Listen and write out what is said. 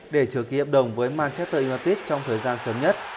để trở ký hợp đồng với manchester united trong thời gian sớm nhất